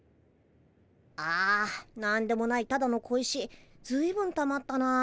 あなんでもないただの小石ずいぶんたまったなあ。